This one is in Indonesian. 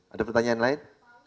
ada pertanyaan lain